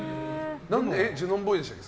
ジュノンボーイでしたっけ？